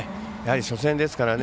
初戦ですからね。